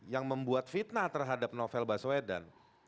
yang membuat fitnah terhadap novel baswedan